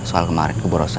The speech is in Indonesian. soal kemarin ke ibu rosa